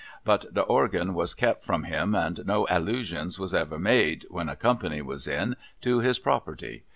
But the organ was kep from him, and no allusions was ever made, when a company was in, to his property.